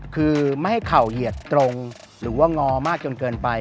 คือไม่ให้เข่าเหยียดตรงหรือว่างอมากจนเกินไป